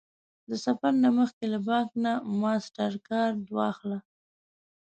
د سفر نه مخکې له بانک نه ماسټرکارډ واخله